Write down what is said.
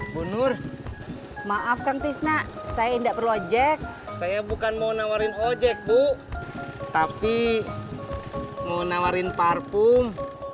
bunur maaf kang tisnak saya enggak perlu ojek saya bukan mau nawarin ojek bu tapi mau nawarin parfum